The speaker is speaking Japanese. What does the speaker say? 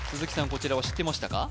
こちらは知ってましたか？